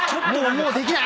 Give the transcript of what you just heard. もうできない！